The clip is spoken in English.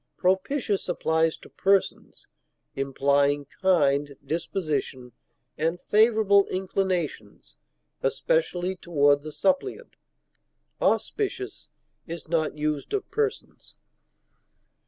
Propitious applies to persons, implying kind disposition and favorable inclinations, especially toward the suppliant; auspicious is not used of persons.